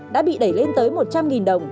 đã bị đẩy lên tới một trăm linh đồng